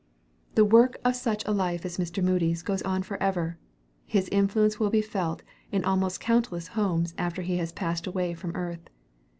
The work of such a life as Mr. Moody's goes on forever. His influence will be felt in almost countless homes after he has passed away from earth.